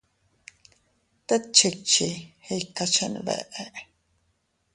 Tet chikchi ikaa chenbeʼe.